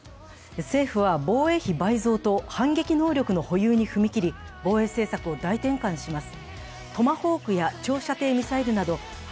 政府は防衛費倍増と反撃能力の保有に踏み切り防衛政策を大転換します。